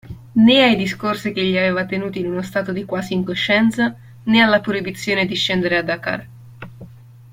Né ai discorsi che gli aveva tenuti in uno stato di quasi incoscienza, né alla proibizione di scendere a Dakar.